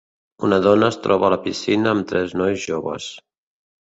Una dona es troba a la piscina amb tres nois joves.